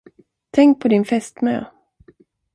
Tänk på din fästmö!